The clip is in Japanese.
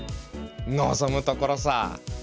望むところさ！